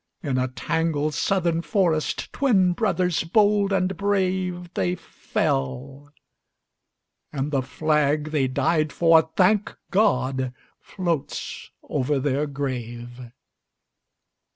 In a tangled Southern forest, Twin brothers bold and brave, They fell; and the flag they died for, Thank God! floats over their grave.